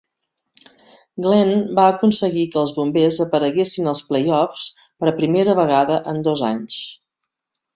Glenn va aconseguir que els Bombers apareguessin als playoffs per primer vegada en dos anys.